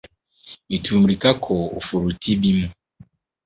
Mituu mmirika kɔɔ ɔforote bi mu.